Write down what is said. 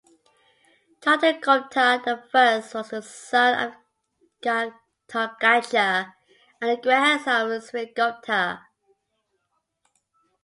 Chandragupta the First was the son of Ghatotkacha and the grandson of Sri Gupta.